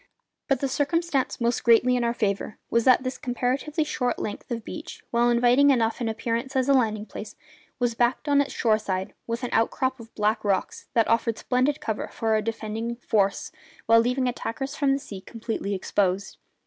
But the circumstance most greatly in our favour was that this comparatively short length of beach, while inviting enough in appearance as a landing place, was backed, on its shore side, by an outcrop of black rocks that offered splendid cover for a defending force while leaving attackers from the sea completely exposed.